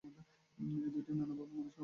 এই দুইটি নানাভাবে মানুষকে আবদ্ধ করে।